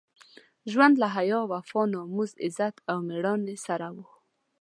ژوند له حیا، وفا، ناموس، عزت او مېړانې سره وو.